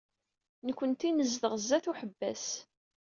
Nekkenti nezdeɣ sdat uḥebbas.